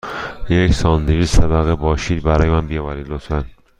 یک ساندویچ سه طبقه با شیر برای من بیاورید، لطفاً.